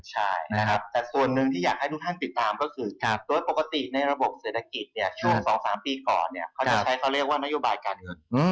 ใช่นะครับแต่ส่วนหนึ่งที่อยากให้ทุกท่านติดตามก็คือโดยปกติในระบบเศรษฐกิจเนี่ยช่วง๒๓ปีก่อนเนี่ยเขาจะใช้เขาเรียกว่านโยบายการเงิน